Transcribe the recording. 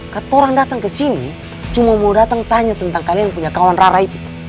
kata orang datang ke sini cuma mau datang tanya tentang kalian punya kawan rara itu